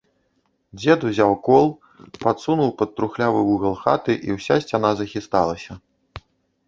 Дзед узяў кол, падсунуў пад трухлявы вугал хаты, і ўся сцяна захісталася.